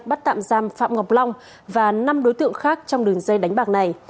bắt tạm giam phạm ngọc long và năm đối tượng khác trong đường dây đánh bạc này